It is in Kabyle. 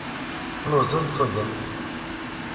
Lluẓen, ffuden.